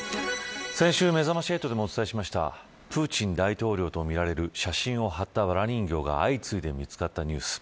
先週、めざまし８でもお伝えしましたプーチン大統領とみられる写真を貼ったわら人形が相次いで見つかったニュース。